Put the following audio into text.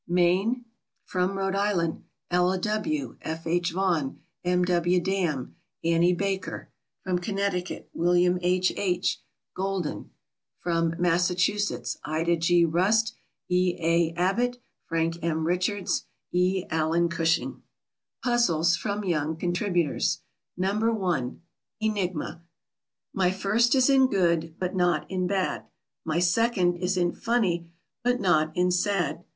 Maine. From Rhode Island Ella W., F. H. Vaughn, M. W. Dam, Annie Baker. From Connecticut William H. H., "Golden." From Massachusetts Ida G. Rust, E. A. Abbot, Frank M. Richards, E. Allen Cushing. PUZZLES FROM YOUNG CONTRIBUTORS. No. 1. ENIGMA. My first is in good, but not in bad. My second is in funny, but not in sad.